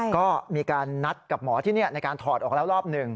ก็มีการนัดกับหมอที่นี่ในการถอดออกแล้วรอบหนึ่ง